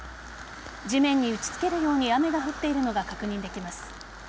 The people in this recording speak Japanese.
地面に打ち付けるように雨が降っているのが確認できます。